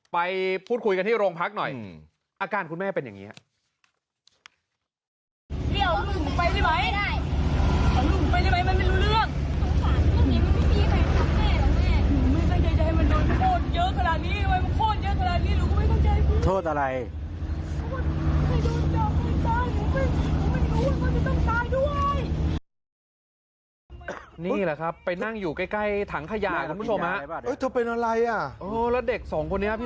ไปพูดคุยกันที่โรงพักหน่อยอาการคุณแม่เป็นอย่างนี้ครับ